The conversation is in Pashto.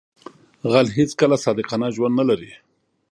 غل هیڅکله صادقانه ژوند نه لري